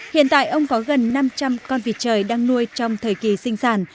hiện tại ông có gần năm trăm linh con vịt trời đang nuôi trong thời kỳ sinh sản